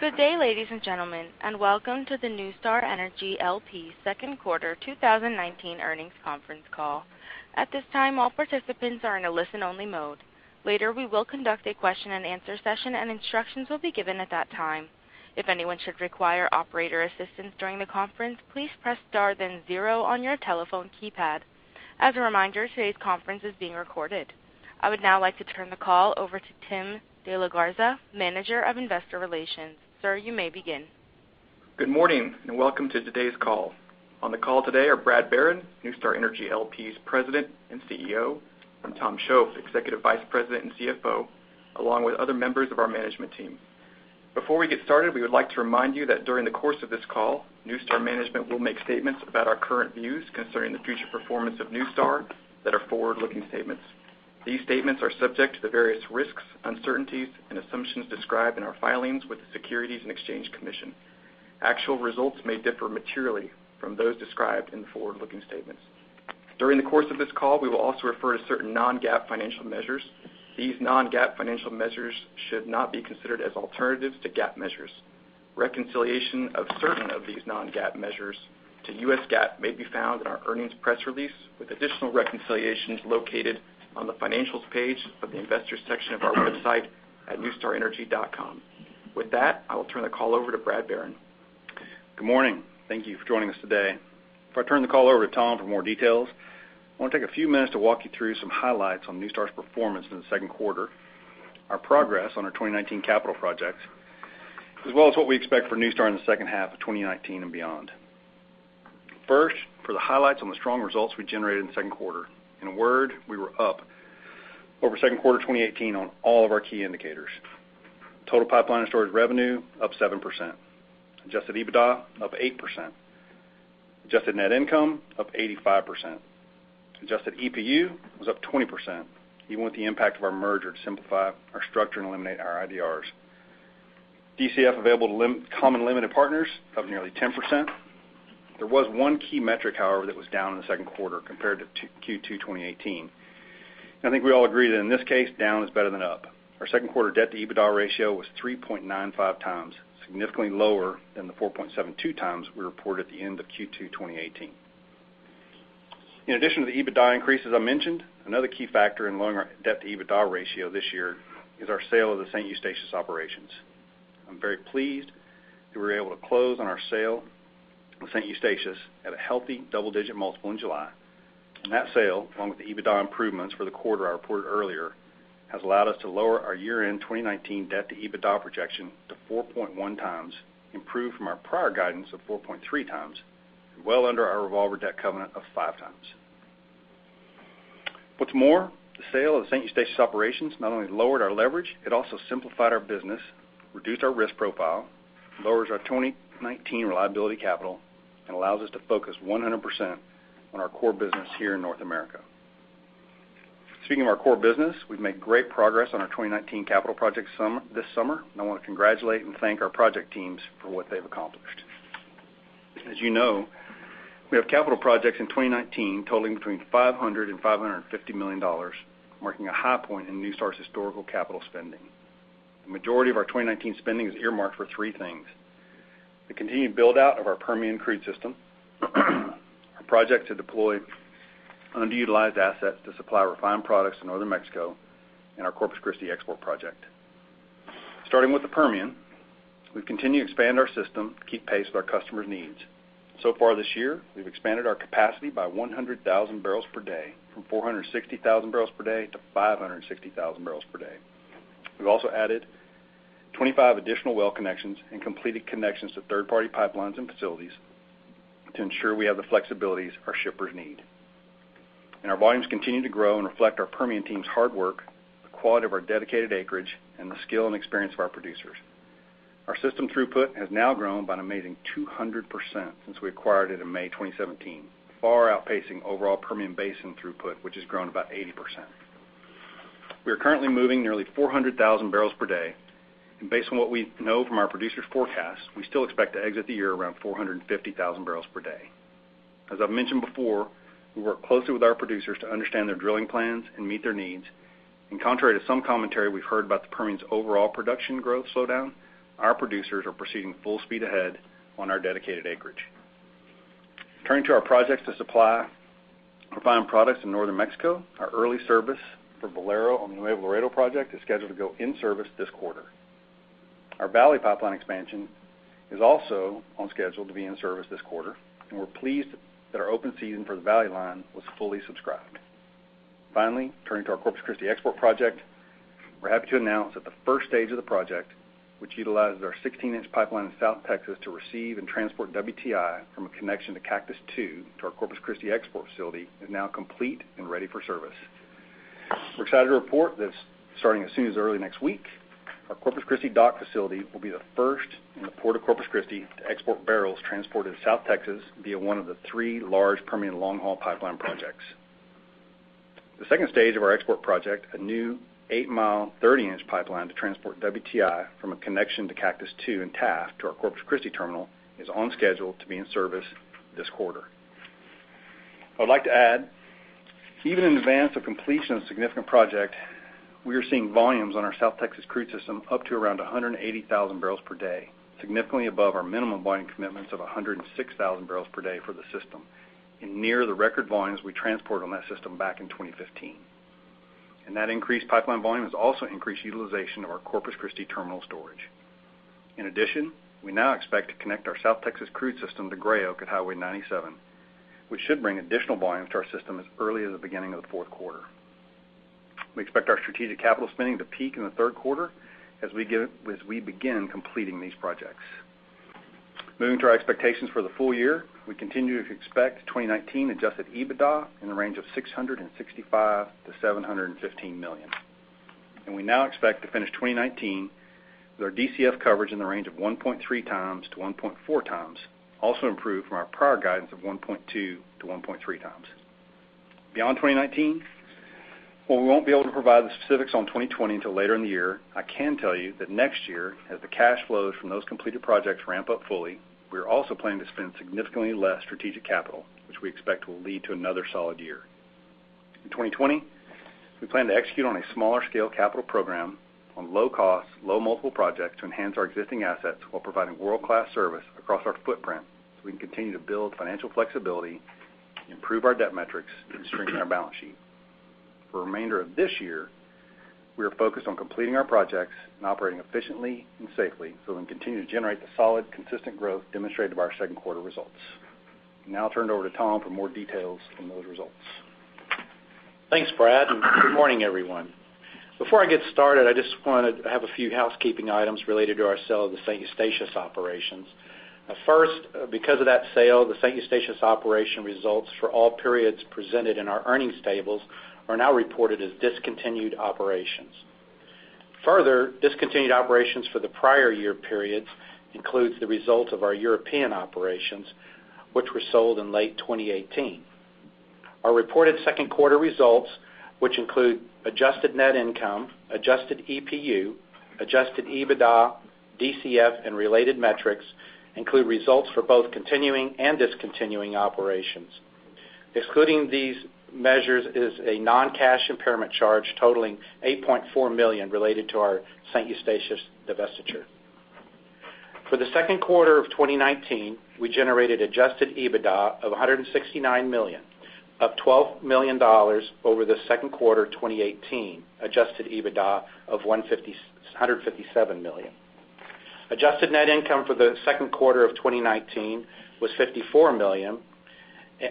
Good day, ladies and gentlemen, welcome to the NuStar Energy LP second quarter 2019 earnings conference call. At this time, all participants are in a listen-only mode. Later, we will conduct a question and answer session, instructions will be given at that time. If anyone should require operator assistance during the conference, please press star then zero on your telephone keypad. As a reminder, today's conference is being recorded. I would now like to turn the call over to Tim Delagarza, Manager of Investor Relations. Sir, you may begin. Good morning, welcome to today's call. On the call today are Brad Barron, NuStar Energy LP's President and CEO, and Tom Shoaf, Executive Vice President and CFO, along with other members of our management team. Before we get started, we would like to remind you that during the course of this call, NuStar management will make statements about our current views concerning the future performance of NuStar that are forward-looking statements. These statements are subject to the various risks, uncertainties, and assumptions described in our filings with the Securities and Exchange Commission. Actual results may differ materially from those described in the forward-looking statements. During the course of this call, we will also refer to certain non-GAAP financial measures. These non-GAAP financial measures should not be considered as alternatives to GAAP measures. Reconciliation of certain of these non-GAAP measures to U.S. GAAP may be found in our earnings press release, with additional reconciliations located on the Financials page of the Investors section of our website at nustarenergy.com. With that, I will turn the call over to Brad Barron. Good morning. Thank you for joining us today. Before I turn the call over to Tom for more details, I want to take a few minutes to walk you through some highlights on NuStar's performance in the second quarter, our progress on our 2019 capital projects, as well as what we expect for NuStar in the second half of 2019 and beyond. First, for the highlights on the strong results we generated in the second quarter. In a word, we were up over second quarter 2018 on all of our key indicators. Total pipeline and storage revenue, up 7%. Adjusted EBITDA, up 8%. Adjusted net income, up 85%. Adjusted EPU was up 20%, even with the impact of our merger to simplify our structure and eliminate our IDRs. DCF available to common limited partners, up nearly 10%. There was one key metric, however, that was down in the second quarter compared to Q2 2018. I think we all agree that in this case, down is better than up. Our second quarter debt-to-EBITDA ratio was 3.95 times, significantly lower than the 4.72 times we reported at the end of Q2 2018. In addition to the EBITDA increases I mentioned, another key factor in lowering our debt-to-EBITDA ratio this year is our sale of the St. Eustatius operations. I'm very pleased that we were able to close on our sale of St. Eustatius at a healthy double-digit multiple in July. That sale, along with the EBITDA improvements for the quarter I reported earlier, has allowed us to lower our year-end 2019 debt-to-EBITDA projection to 4.1 times, improved from our prior guidance of 4.3 times, and well under our revolver debt covenant of 5 times. What's more, the sale of the St. Eustatius operations not only lowered our leverage, it also simplified our business, reduced our risk profile, lowers our 2019 reliability capital, and allows us to focus 100% on our core business here in North America. Speaking of our core business, we've made great progress on our 2019 capital project this summer, and I want to congratulate and thank our project teams for what they've accomplished. As you know, we have capital projects in 2019 totaling between $500 million and $550 million, marking a high point in NuStar's historical capital spending. The majority of our 2019 spending is earmarked for three things, the continued build-out of our Permian Crude System, our project to deploy underutilized assets to supply refined products to Northern Mexico, and our Corpus Christi export project. Starting with the Permian, we've continued to expand our system to keep pace with our customers' needs. Far this year, we've expanded our capacity by 100,000 barrels per day, from 460,000 barrels per day to 560,000 barrels per day. We've also added 25 additional well connections and completed connections to third-party pipelines and facilities to ensure we have the flexibilities our shippers need. Our volumes continue to grow and reflect our Permian team's hard work, the quality of our dedicated acreage, and the skill and experience of our producers. Our system throughput has now grown by an amazing 200% since we acquired it in May 2017, far outpacing overall Permian Basin throughput, which has grown by 80%. We are currently moving nearly 400,000 barrels per day, and based on what we know from our producers' forecasts, we still expect to exit the year around 450,000 barrels per day. As I've mentioned before, we work closely with our producers to understand their drilling plans and meet their needs. Contrary to some commentary we've heard about the Permian's overall production growth slowdown, our producers are proceeding full speed ahead on our dedicated acreage. Turning to our projects to supply refined products in Northern Mexico, our early service for Valero on the Nuevo Laredo project is scheduled to go in service this quarter. Our Valley Pipeline expansion is also on schedule to be in service this quarter, and we're pleased that our open season for the Valley line was fully subscribed. Finally, turning to our Corpus Christi export project, we're happy to announce that the first stage of the project, which utilizes our 16-inch pipeline in South Texas to receive and transport WTI from a connection to Cactus II to our Corpus Christi export facility, is now complete and ready for service. We're excited to report that starting as soon as early next week, our Corpus Christi dock facility will be the first in the Port of Corpus Christi to export barrels transported to South Texas via one of the three large Permian long-haul pipeline projects. The second stage of our export project, a new eight-mile, 30-inch pipeline to transport WTI from a connection to Cactus II in Taft to our Corpus Christi terminal, is on schedule to be in service this quarter. I would like to add, even in advance of completion of a significant project, we are seeing volumes on our South Texas Crude System up to around 180,000 barrels per day, significantly above our minimum binding commitments of 106,000 barrels per day for the system, and near the record volumes we transported on that system back in 2015. That increased pipeline volume has also increased utilization of our Corpus Christi terminal storage. In addition, we now expect to connect our South Texas Crude System to Gray Oak at Highway 97, which should bring additional volume to our system as early as the beginning of the fourth quarter. We expect our strategic capital spending to peak in the third quarter as we begin completing these projects. Moving to our expectations for the full year, we continue to expect 2019 Adjusted EBITDA in the range of $665 million-$715 million. We now expect to finish 2019 with our DCF coverage in the range of 1.3 times-1.4 times, also improved from our prior guidance of 1.2 times-1.3 times. Beyond 2019, while we won't be able to provide the specifics on 2020 until later in the year, I can tell you that next year, as the cash flows from those completed projects ramp up fully, we are also planning to spend significantly less strategic capital, which we expect will lead to another solid year. In 2020, we plan to execute on a smaller scale capital program on low cost, low multiple projects to enhance our existing assets while providing world-class service across our footprint, so we can continue to build financial flexibility, improve our debt metrics, and strengthen our balance sheet. For the remainder of this year, we are focused on completing our projects and operating efficiently and safely so we can continue to generate the solid, consistent growth demonstrated by our second quarter results. I now turn it over to Tom for more details on those results. Thanks, Brad. Good morning, everyone. Before I get started, I just want to have a few housekeeping items related to our sale of the St. Eustatius operations. First, because of that sale, the St. Eustatius operation results for all periods presented in our earnings tables are now reported as discontinued operations. Discontinued operations for the prior year periods includes the results of our European operations, which were sold in late 2018. Our reported second quarter results, which include Adjusted Net Income, Adjusted EPU, Adjusted EBITDA, DCF, and related metrics, include results for both continuing and discontinuing operations. Excluding these measures is a non-cash impairment charge totaling $8.4 million related to our St. Eustatius divestiture. For the second quarter of 2019, we generated Adjusted EBITDA of $169 million, up $12 million over the second quarter 2018 Adjusted EBITDA of $157 million. Adjusted net income for the second quarter of 2019 was $54 million,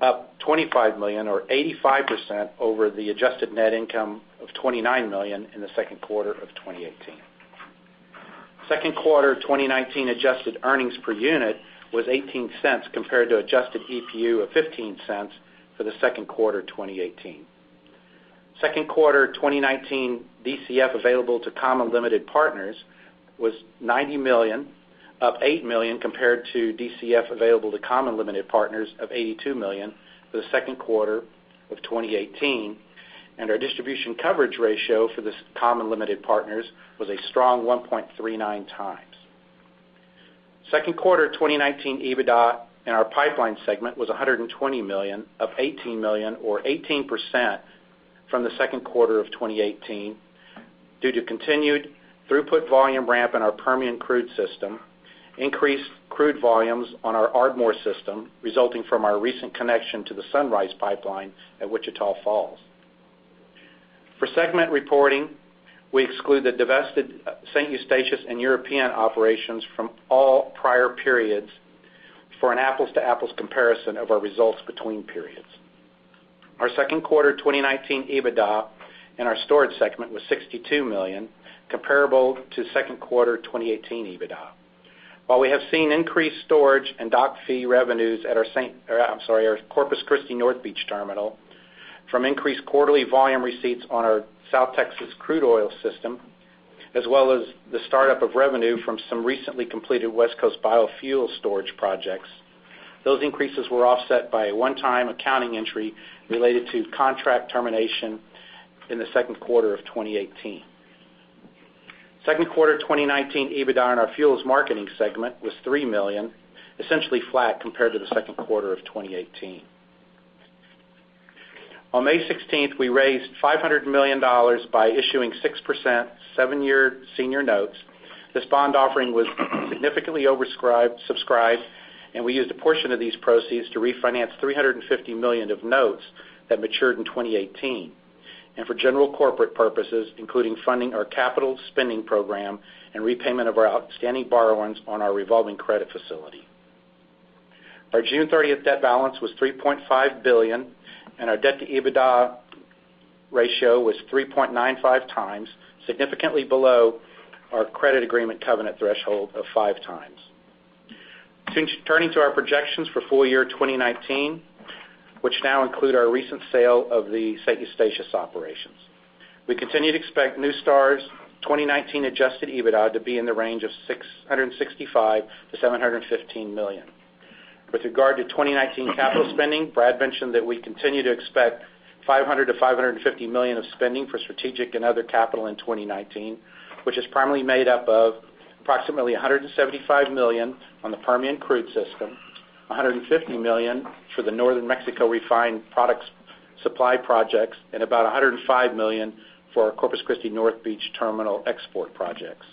up $25 million or 85% over the adjusted net income of $29 million in the second quarter of 2018. Second quarter 2019 adjusted earnings per unit was $0.18 compared to adjusted EPU of $0.15 for the second quarter 2018. Second quarter 2019 DCF available to common limited partners was $90 million, up $8 million compared to DCF available to common limited partners of $82 million for the second quarter of 2018. Our distribution coverage ratio for the common limited partners was a strong 1.39 times. Second quarter 2019 EBITDA in our pipeline segment was $120 million, up $18 million or 18% from the second quarter of 2018 due to continued throughput volume ramp in our Permian Crude System, increased crude volumes on our Ardmore system resulting from our recent connection to the Sunrise Pipeline at Wichita Falls. For segment reporting, we exclude the divested St. Eustatius and European operations from all prior periods for an apples-to-apples comparison of our results between periods. Our second quarter 2019 EBITDA in our storage segment was $62 million, comparable to second quarter 2018 EBITDA. While we have seen increased storage and dock fee revenues at our NuStar Energy North Beach Terminal from increased quarterly volume receipts on our South Texas Crude Oil System, as well as the startup of revenue from some recently completed West Coast biofuel storage projects, those increases were offset by a one-time accounting entry related to contract termination in the second quarter of 2018. Second quarter 2019 EBITDA in our fuels marketing segment was $3 million, essentially flat compared to the second quarter of 2018. On May 16th, we raised $500 million by issuing 6%, 7-year senior notes. This bond offering was significantly oversubscribed, we used a portion of these proceeds to refinance $350 million of notes that matured in 2018 and for general corporate purposes, including funding our capital spending program and repayment of our outstanding borrowings on our revolving credit facility. Our June 30th debt balance was $3.5 billion, and our debt-to-EBITDA ratio was 3.95 times, significantly below our credit agreement covenant threshold of five times. Turning to our projections for full-year 2019, which now include our recent sale of the St. Eustatius operations. We continue to expect NuStar's 2019 Adjusted EBITDA to be in the range of $665 million-$715 million. With regard to 2019 capital spending, Brad mentioned that we continue to expect $500 million-$550 million of spending for strategic and other capital in 2019, which is primarily made up of approximately $175 million on the Permian Crude System, $150 million for the Northern Mexico refined products supply projects, and about $105 million for our NuStar Energy North Beach Terminal export projects.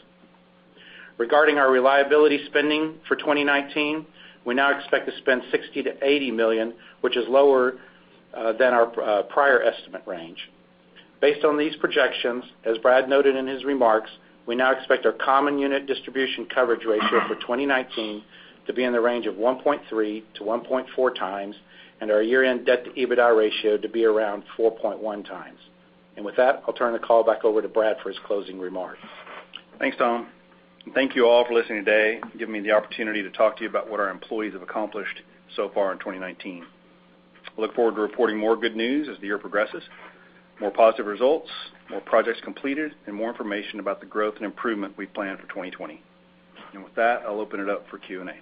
Regarding our reliability spending for 2019, we now expect to spend $60 million-$80 million, which is lower than our prior estimate range. Based on these projections, as Brad noted in his remarks, we now expect our common unit distribution coverage ratio for 2019 to be in the range of 1.3-1.4 times, and our year-end debt-to-EBITDA ratio to be around 4.1 times. With that, I'll turn the call back over to Brad for his closing remarks. Thanks, Tom. Thank you all for listening today and giving me the opportunity to talk to you about what our employees have accomplished so far in 2019. I look forward to reporting more good news as the year progresses, more positive results, more projects completed, and more information about the growth and improvement we plan for 2020. With that, I'll open it up for Q&A.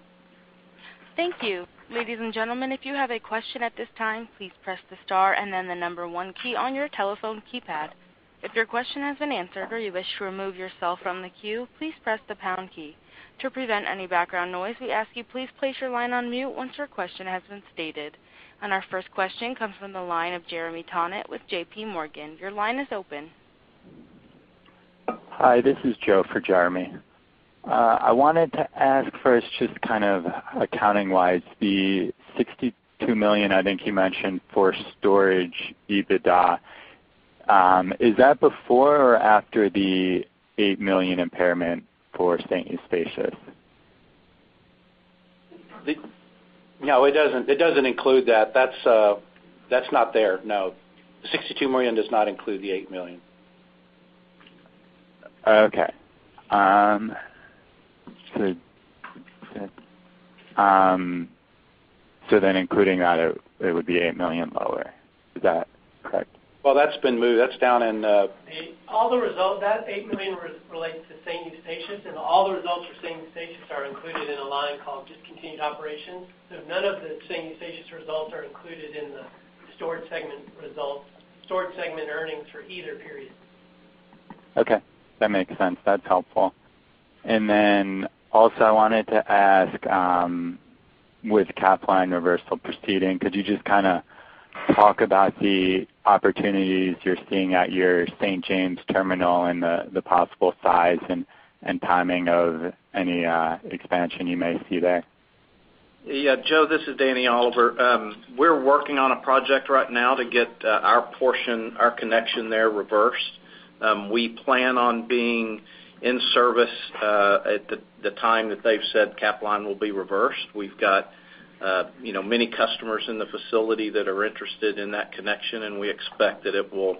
Thank you. Ladies and gentlemen, if you have a question at this time, please press the star and then the number 1 key on your telephone keypad. If your question has been answered or you wish to remove yourself from the queue, please press the pound key. To prevent any background noise, we ask you please place your line on mute once your question has been stated. Our first question comes from the line of Jeremy Tonet with J.P. Morgan. Your line is open. Hi, this is Joe for Jeremy. I wanted to ask first, just kind of accounting-wise, the $62 million, I think you mentioned, for storage EBITDA, is that before or after the $8 million impairment for St. Eustatius? No, it doesn't include that. That's not there, no. $62 million does not include the $8 million. Okay. Including that, it would be $8 million lower. Is that correct? Well, that's been moved. That's down in- That $8 million relates to St. Eustatius. All the results for St. Eustatius are included in a line called discontinued operations. None of the St. Eustatius results are included in the storage segment results, storage segment earnings for either period. Okay. That makes sense. That's helpful. Then also, I wanted to ask, with Capline reversal proceeding, could you just kind of talk about the opportunities you're seeing at your St. James terminal and the possible size and timing of any expansion you may see there? Joe, this is Danny Oliver. We're working on a project right now to get our portion, our connection there reversed. We plan on being in service at the time that they've said Capline will be reversed. We've got many customers in the facility that are interested in that connection, we expect that it will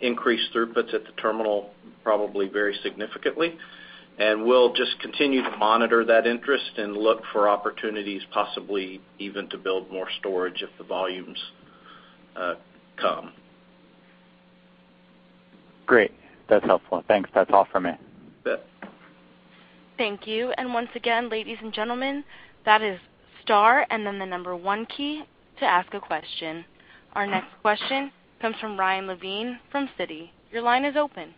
increase throughputs at the terminal probably very significantly. We'll just continue to monitor that interest and look for opportunities, possibly even to build more storage if the volumes come. Great. That's helpful. Thanks. That's all for me. Thank you. Once again, ladies and gentlemen, that is star and then the number one key to ask a question. Our next question comes from Ryan Levine from Citi. Your line is open.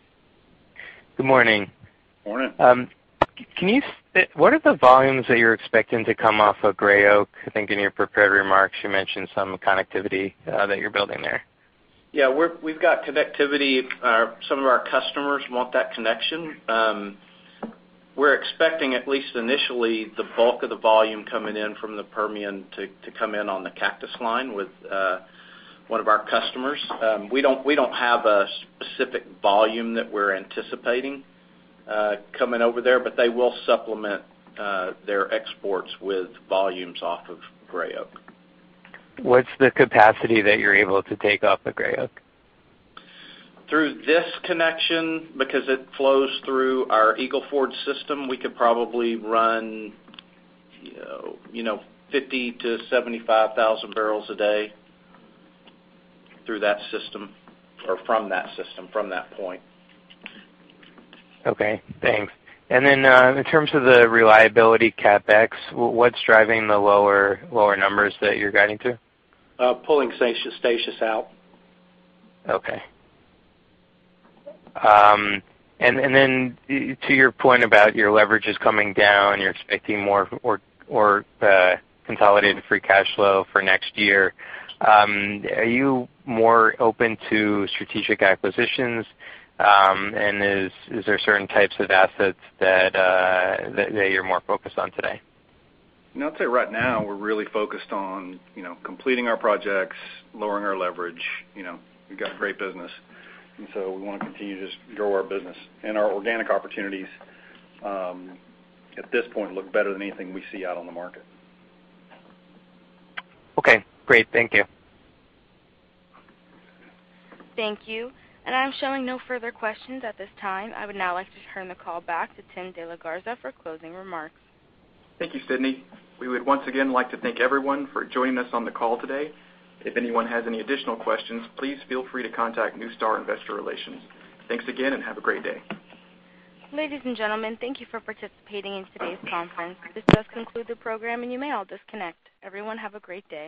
Good morning. Morning. What are the volumes that you're expecting to come off of Gray Oak? I think in your prepared remarks, you mentioned some connectivity that you're building there. Yeah. We've got connectivity. Some of our customers want that connection. We're expecting, at least initially, the bulk of the volume coming in from the Permian to come in on the Cactus line with one of our customers. We don't have a specific volume that we're anticipating coming over there, but they will supplement their exports with volumes off of Gray Oak. What's the capacity that you're able to take off of Gray Oak? Through this connection, because it flows through our Eagle Ford system, we could probably run 50,000-75,000 barrels a day through that system or from that system, from that point. Okay, thanks. In terms of the reliability CapEx, what's driving the lower numbers that you're guiding to? Pulling St. Eustatius out. Okay. To your point about your leverage is coming down, you're expecting more consolidated free cash flow for next year, are you more open to strategic acquisitions? Is there certain types of assets that you're more focused on today? No. I'd say right now, we're really focused on completing our projects, lowering our leverage. We've got a great business, we want to continue to just grow our business. Our organic opportunities, at this point, look better than anything we see out on the market. Okay, great. Thank you. Thank you. I'm showing no further questions at this time. I would now like to turn the call back to Tim Delagarza for closing remarks. Thank you, Sydney. We would once again like to thank everyone for joining us on the call today. If anyone has any additional questions, please feel free to contact NuStar Investor Relations. Thanks again, and have a great day. Ladies and gentlemen, thank you for participating in today's conference. This does conclude the program, and you may all disconnect. Everyone have a great day.